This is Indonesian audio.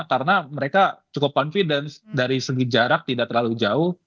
karena mereka cukup confidence dari segi jarak tidak terlalu jauh